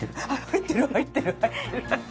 入ってる入ってる！